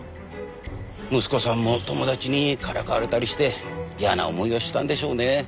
息子さんも友達にからかわれたりして嫌な思いをしたんでしょうね。